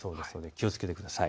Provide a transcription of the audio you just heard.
気をつけてください。